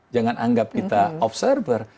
jangan anggap kita observer